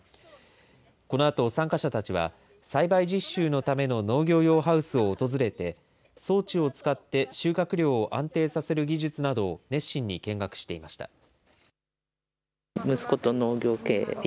このあと参加者たちは、栽培実習のための農業用ハウスを訪れて、装置を使って収穫量を安定させる技術などを熱心に見学していました。